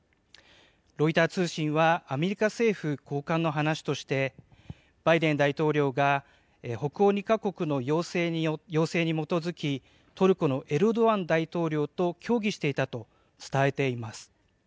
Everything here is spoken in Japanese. ロイター通信はアメリカ政府高官の話として、バイデン大統領が北欧２か国の要請に基づき、トルコのエルドアン大統領と協議していたと伝えています。